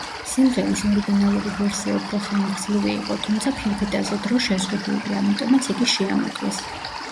სიმღერის ორიგინალური ვერსია უფრო ხანგრძლივი იყო, თუმცა, ფირფიტაზე დრო შეზღუდულია, ამიტომაც იგი შეამოკლეს.